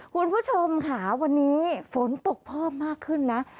คุณผู้ชมค่ะวันนี้ฝนตกเพิ่มมากขึ้นนะ